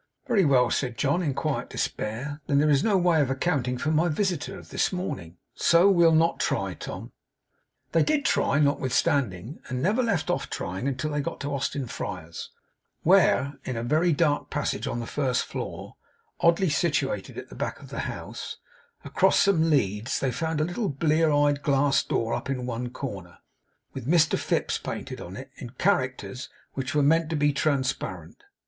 'Very well,' said John in quiet despair. 'Then there is no way of accounting for my visitor of this morning. So we'll not try, Tom.' They did try, notwithstanding, and never left off trying until they got to Austin Friars, where, in a very dark passage on the first floor, oddly situated at the back of a house, across some leads, they found a little blear eyed glass door up in one corner, with Mr FIPS painted on it in characters which were meant to be transparent.